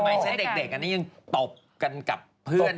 เค้จะได้เด็กอันนี้ยังตบกันกับเพื่อน